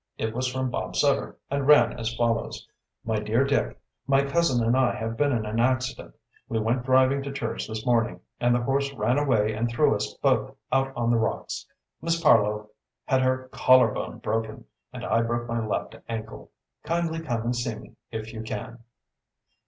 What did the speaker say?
It was from Bob Sutter, and ran as follows: "MY DEAR DICK: My cousin and I have been in an accident. We went driving to church this morning and the horse ran away and threw us both out on the rocks. Miss Parloe had her collar bone broken, and I broke my left ankle. Kindly come and see me if you can."